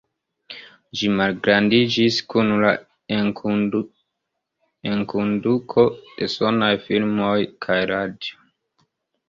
Ĝi malgrandiĝis kun la enkonduko de sonaj filmoj kaj radio.